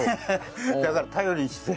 だから頼りにして。